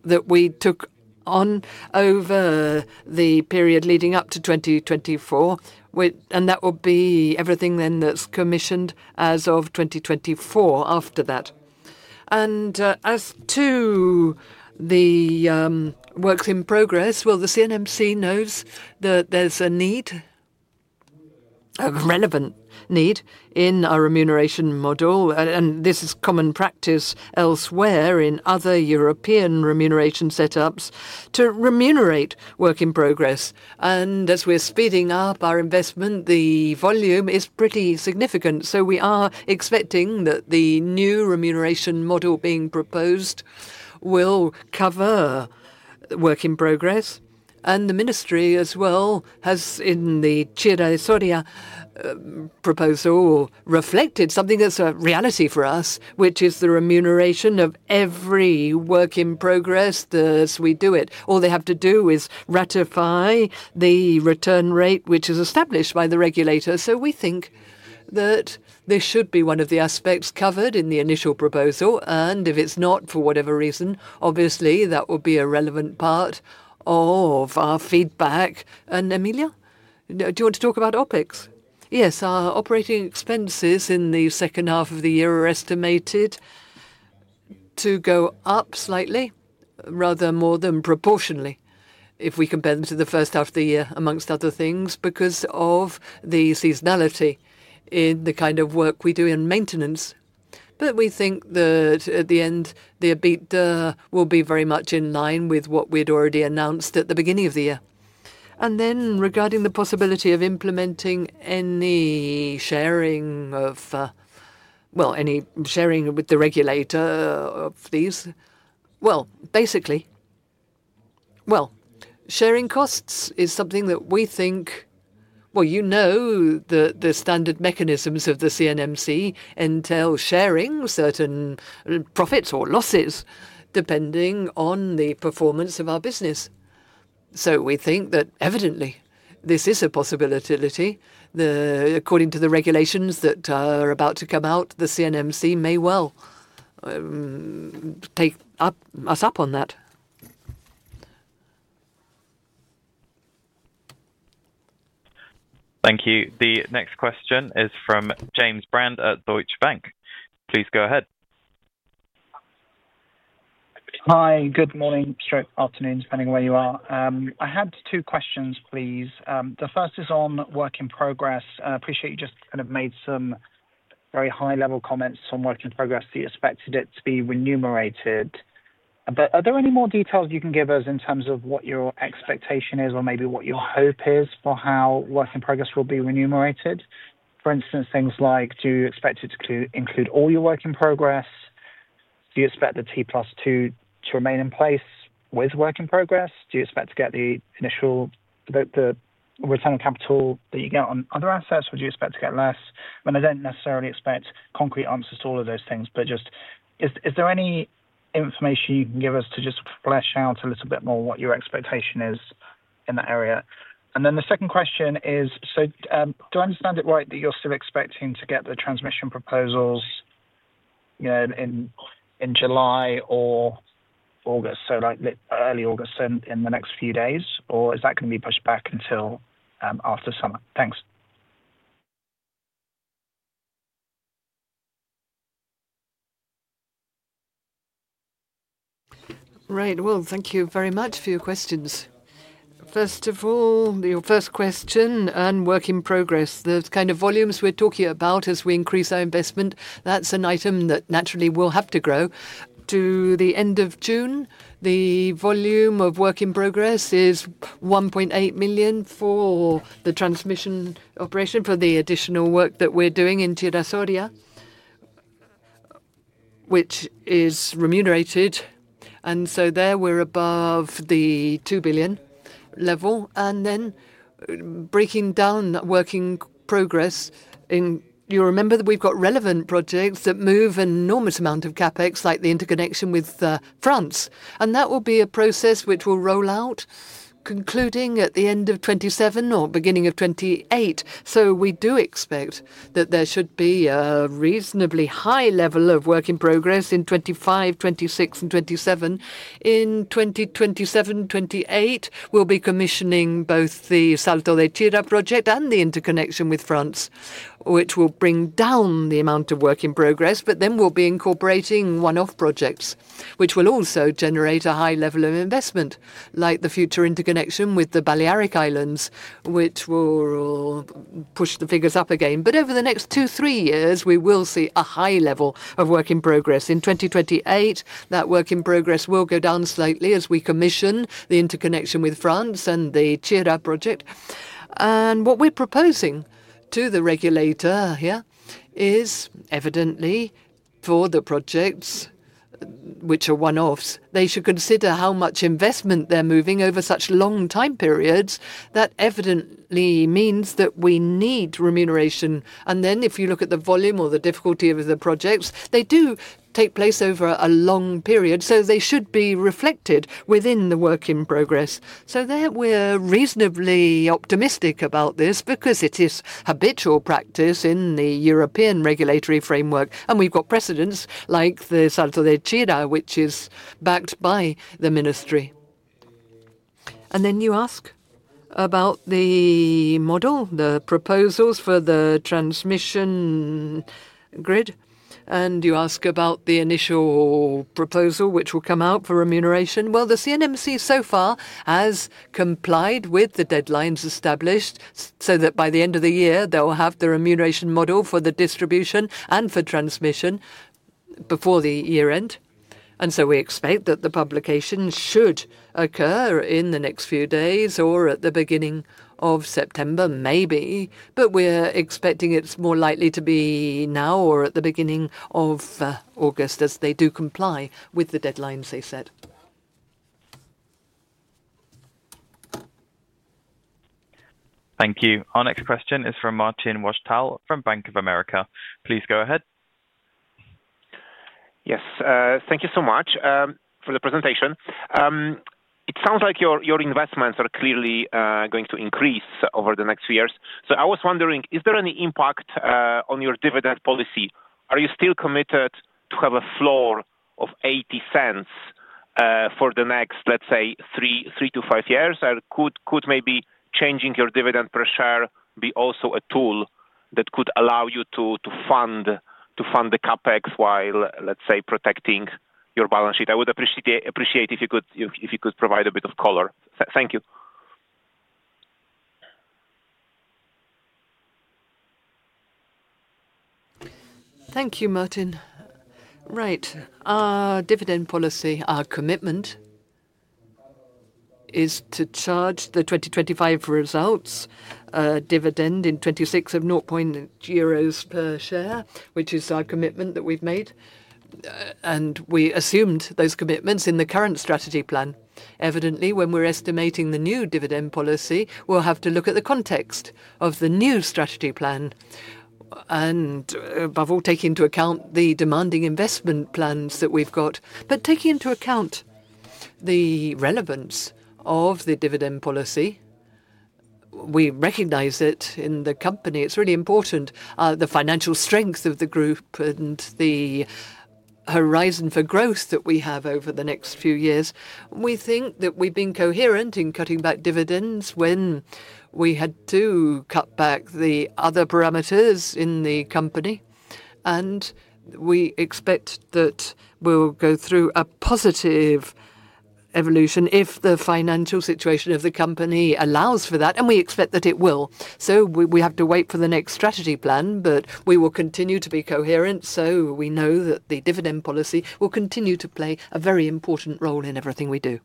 that we took on over the period leading up to 2024. That will be everything then that's commissioned as of 2024 after that. As to the works in progress, the CNMC knows that there's a need, a relevant need in our remuneration model. This is common practice elsewhere in other European remuneration setups to remunerate work in progress. As we're speeding up our investment, the volume is pretty significant. We are expecting that the new remuneration model being proposed will cover work in progress. The ministry as well has in the Chira-Esoria proposal reflected something that's a reality for us, which is the remuneration of every work in progress as we do it. All they have to do is ratify the return rate which is established by the regulator. We think that this should be one of the aspects covered in the initial proposal. If it's not, for whatever reason, obviously that will be a relevant part of our feedback. Emilio, do you want to talk about OPEX? Yes. Our operating expenses in the second half of the year are estimated to go up slightly, rather more than proportionally if we compare them to the first half of the year, amongst other things because of the seasonality in the kind of work we do in maintenance. But we think that at the end, the EBITDA will be very much in line with what we'd already announced at the beginning of the year. Regarding the possibility of implementing any sharing of, well, any sharing with the regulator of these, well, basically, well, sharing costs is something that we think, well, you know the standard mechanisms of the CNMC entail sharing certain profits or losses depending on the performance of our business. We think that evidently this is a possibility. According to the regulations that are about to come out, the CNMC may well take us up on that. Thank you. The next question is from James Brand at Deutsche Bank. Please go ahead. Hi, good morning, straight afternoon, depending where you are. I had two questions, please. The first is on work in progress. I appreciate you just kind of made some very high-level comments on work in progress. You expected it to be remunerated. Are there any more details you can give us in terms of what your expectation is or maybe what your hope is for how work in progress will be remunerated? For instance, things like, do you expect it to include all your work in progress? Do you expect the T+2 to remain in place with work in progress? Do you expect to get the initial return on capital that you get on other assets? Would you expect to get less? I do not necessarily expect concrete answers to all of those things, but just is there any information you can give us to just flesh out a little bit more what your expectation is in that area? The second question is, do I understand it right that you're still expecting to get the transmission proposals in July or August, so early August in the next few days, or is that going to be pushed back until after summer? Thanks. Thank you very much for your questions. First of all, your first question and work in progress, the kind of volumes we're talking about as we increase our investment, that's an item that naturally will have to grow. To the end of June, the volume of work in progress is 1.8 million for the transmission operation, for the additional work that we're doing in Chira-Esoria, which is remunerated. There we're above the 2 billion level. Breaking down work in progress, you remember that we've got relevant projects that move an enormous amount of CapEx, like the interconnection with France. That will be a process which will roll out. Concluding at the end of 2027 or beginning of 2028. We do expect that there should be a reasonably high level of work in progress in 2025, 2026, and 2027. In 2027, 2028, we will be commissioning both the Salto de Chira project and the interconnection with France, which will bring down the amount of work in progress, but then we will be incorporating one-off projects, which will also generate a high level of investment, like the future interconnection with the Balearic Islands, which will push the figures up again. Over the next two, three years, we will see a high level of work in progress. In 2028, that work in progress will go down slightly as we commission the interconnection with France and the Chira project. What we are proposing to the regulator here is evidently for the projects which are one-offs, they should consider how much investment they are moving over such long time periods. That evidently means that we need remuneration. If you look at the volume or the difficulty of the projects, they do take place over a long period, so they should be reflected within the work in progress. We are reasonably optimistic about this because it is habitual practice in the European regulatory framework. We have got precedents like the Salto de Chira, which is backed by the ministry. You ask about the model, the proposals for the transmission grid. You ask about the initial proposal which will come out for remuneration. The CNMC so far has complied with the deadlines established so that by the end of the year, they will have the remuneration model for the distribution and for transmission before the year-end. We expect that the publication should occur in the next few days or at the beginning of September, maybe. We are expecting it is more likely to be now or at the beginning of August as they do comply with the deadlines they set. Thank you. Our next question is from Martin Wachtall from Bank of America. Please go ahead. Yes. Thank you so much for the presentation. It sounds like your investments are clearly going to increase over the next few years. I was wondering, is there any impact on your dividend policy? Are you still committed to have a floor of 0.80 for the next, let's say, 3-5 years? Or could maybe changing your dividend per share be also a tool that could allow you to fund the CapEx while, let's say, protecting your balance sheet? I would appreciate if you could provide a bit of color. Thank you. Thank you, Martin. Right. Our dividend policy, our commitment, is to charge the 2025 results dividend in 2026 of 0.00 euros per share, which is our commitment that we've made. And we assumed those commitments in the current strategy plan. Evidently, when we're estimating the new dividend policy, we'll have to look at the context of the new strategy plan. Above all, take into account the demanding investment plans that we've got. Take into account the relevance of the dividend policy. We recognize it in the company. It's really important, the financial strength of the group and the horizon for growth that we have over the next few years. We think that we've been coherent in cutting back dividends when we had to cut back the other parameters in the company. We expect that we'll go through a positive evolution if the financial situation of the company allows for that. We expect that it will. We have to wait for the next strategy plan, but we will continue to be coherent. We know that the dividend policy will continue to play a very important role in everything we do.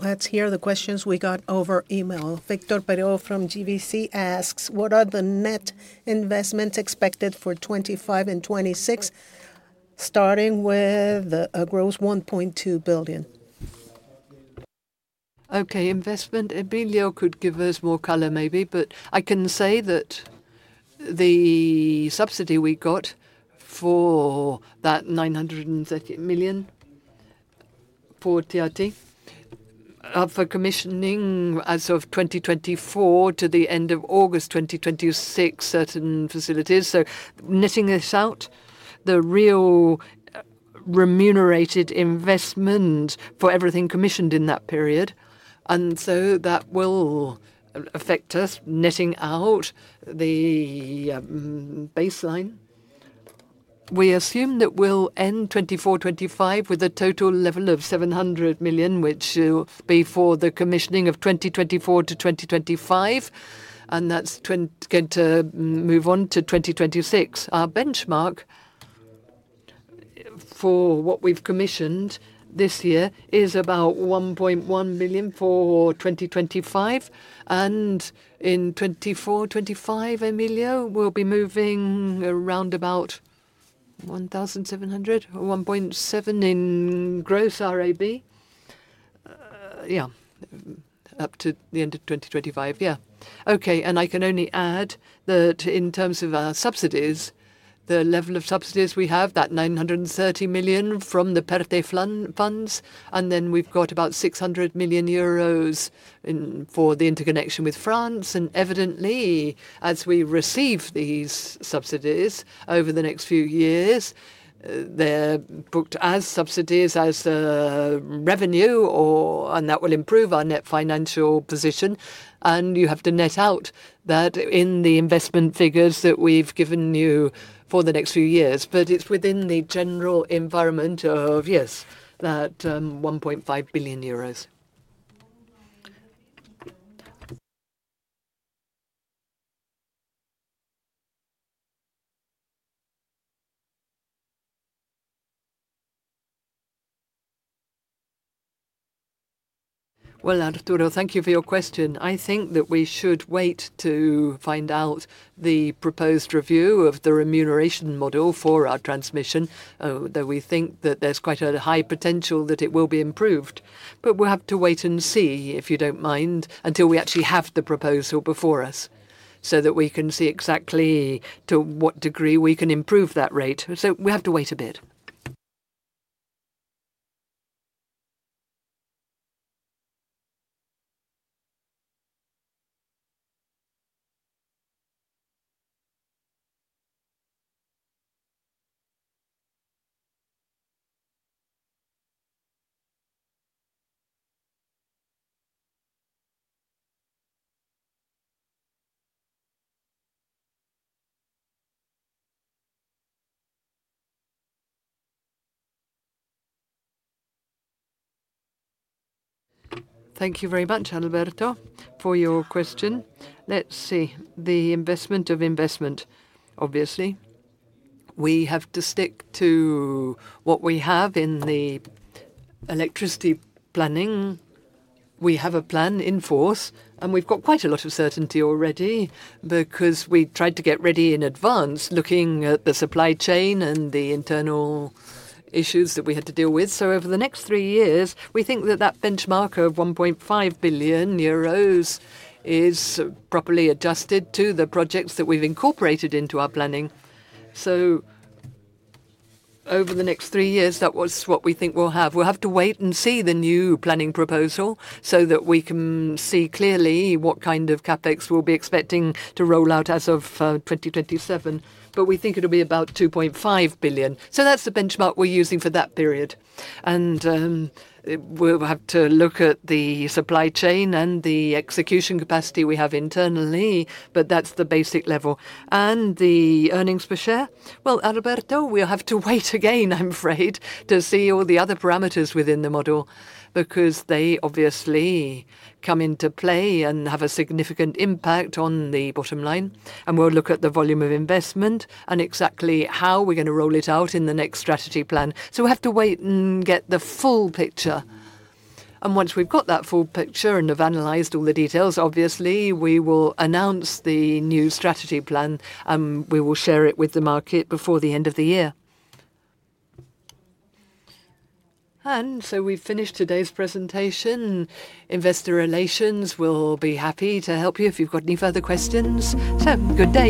Let's hear the questions we got over email. Victor Perreau from GCC asks, what are the net investments expected for 2025 and 2026, starting with a gross 1.2 billion? Okay. Investment, Emilio could give us more color maybe, but I can say that the subsidy we got for that 930 million for TRT, for commissioning as of 2024 to the end of August 2026, certain facilities. Netting this out, the real remunerated investment for everything commissioned in that period, and that will affect us, netting out the baseline. We assume that we'll end 2024-2025 with a total level of 700 million, which will be for the commissioning of 2024-2025. That's going to move on to 2026. Our benchmark for what we've commissioned this year is about 1.1 million for 2025. In 2024-2025, Emilio, we'll be moving around about 1,700 million or 1.7 billion in gross RAB. Yeah. Up to the end of 2025. Yeah. Okay. I can only add that in terms of our subsidies, the level of subsidies we have, that 930 million from the PERTE funds. Then we've got about 600 million euros for the interconnection with France. Evidently, as we receive these subsidies over the next few years, they're booked as subsidies as revenue, and that will improve our net financial position. You have to net out that in the investment figures that we've given you for the next few years. It is within the general environment of, yes, that 1.5 billion euros. Arturo, thank you for your question. I think that we should wait to find out the proposed review of the remuneration model for our transmission, though we think that there's quite a high potential that it will be improved. We will have to wait and see, if you don't mind, until we actually have the proposal before us so that we can see exactly to what degree we can improve that rate. We have to wait a bit. Thank you very much, Alberto, for your question. Let's see. The investment of investment, obviously. We have to stick to what we have in the electricity planning. We have a plan in force, and we've got quite a lot of certainty already because we tried to get ready in advance, looking at the supply chain and the internal issues that we had to deal with. Over the next three years, we think that that benchmark of 1.5 billion euros is properly adjusted to the projects that we've incorporated into our planning. Over the next three years, that is what we think we'll have. We will have to wait and see the new planning proposal so that we can see clearly what kind of CapEx we'll be expecting to roll out as of 2027. We think it'll be about 2.5 billion. That is the benchmark we're using for that period. We will have to look at the supply chain and the execution capacity we have internally, but that's the basic level. The earnings per share? Alberto, we will have to wait again, I'm afraid, to see all the other parameters within the model because they obviously come into play and have a significant impact on the bottom line. We will look at the volume of investment and exactly how we're going to roll it out in the next strategy plan. We have to wait and get the full picture. Once we've got that full picture and have analyzed all the details, obviously, we will announce the new strategy plan, and we will share it with the market before the end of the year. We have finished today's presentation. Investor Relations will be happy to help you if you've got any further questions. Good day.